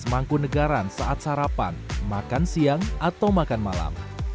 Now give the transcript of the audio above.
pertama mangkunegaran saat sarapan makan siang atau makan malam